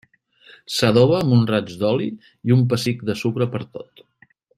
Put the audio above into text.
S'adoba amb un raig d'oli i un pessic de sucre per tot.